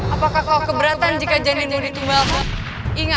apakah kau keberatan jika janinmu ditumbang